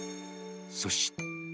そして。